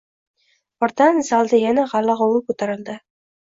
Birdan zalda yana g`ala-g`ovur ko`tarildi